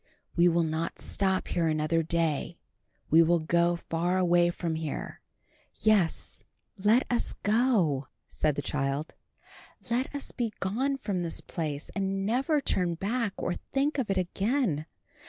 We will not stop here another day. We will go far away from here." "Yes, let us go," said the child. "Let us be gone from this place, and never turn back or think of it again.